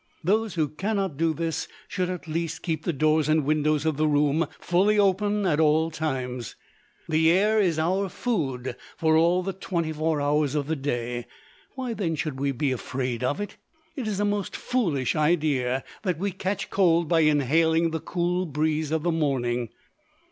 Those who cannot do this should at least keep the doors and windows of the room fully open at all times. The air is our food for all the twenty four hours of the day. Why, then, should we be afraid of it? It is a most foolish idea that we catch cold by inhaling the cool breeze of the morning.